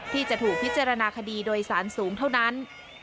ที่จะถูกพิจารณาคดีโดยสารสูงเท่านั้น